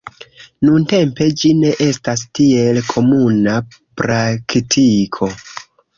Nuntempe ĝi ne estas tiel komuna praktiko.